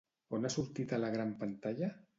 On ha sortit a la gran pantalla?